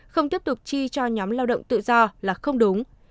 không tiếp tục chi cho nhóm lao động tự do là không đúng